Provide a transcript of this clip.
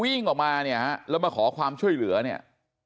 วิ่งออกมาเนี่ยฮะแล้วมาขอความช่วยเหลือเนี่ย